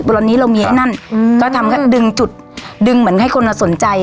วันนี้เรามีไอ้นั่นอืมก็ทำแค่ดึงจุดดึงเหมือนให้คนสนใจ